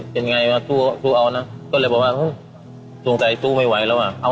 เพราะฉะนั้นเราก็จะให้คุณตามมา